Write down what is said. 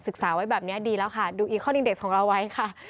ไว้แบบนี้ดีแล้วค่ะดูอีคอนอินเด็กของเราไว้ค่ะ